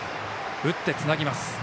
打ってつなぎます。